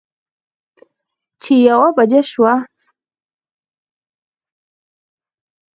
چې يوه بجه شوه